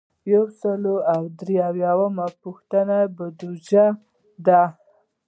یو سل او درې اویایمه پوښتنه بودیجه ده.